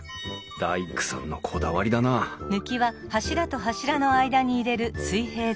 大工さんのこだわりだなああれ？